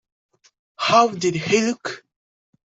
How did he look?